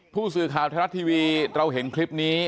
ผู้สื่อข่าวไทยรัฐทีวีเราเห็นคลิปนี้